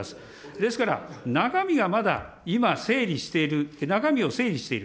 ですから、中身がまだ今整理している、中身を整理している。